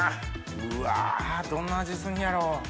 うわどんな味すんのやろう？